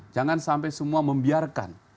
jangan sampai semua membiarkan